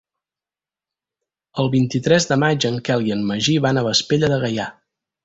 El vint-i-tres de maig en Quel i en Magí van a Vespella de Gaià.